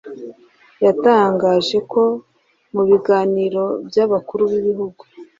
yatangaje ko mu biganiro by’abakuru b’ibihugu